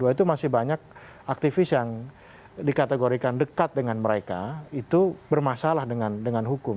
itu masih banyak aktivis yang dikategorikan dekat dengan mereka itu bermasalah dengan hukum